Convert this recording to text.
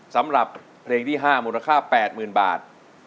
สำหรับเพลงที่๕มูลค่า๘๐๐๐บาท